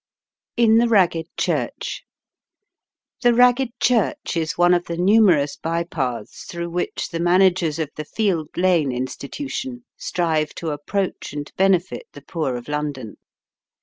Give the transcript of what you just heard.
IN THE RAGGED CHURCH. The Ragged Church is one of the numerous by paths through which the managers of the Field Lane Institution strive to approach and benefit the poor of London.